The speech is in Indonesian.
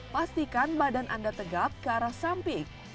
pastikan badan anda tegap ke arah samping